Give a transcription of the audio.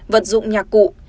vật dụng nhạc cụ